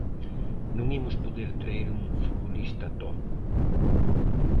Non imos poder traer un futbolista top.